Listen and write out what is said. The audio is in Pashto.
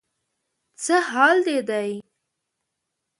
څه حال دې دی؟